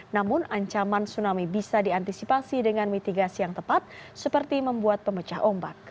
namun ancaman tsunami bisa diantisipasi dengan mitigasi yang tepat seperti membuat pemecah ombak